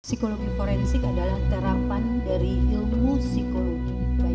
psikologi forensik adalah terapan dari ilmu psikologi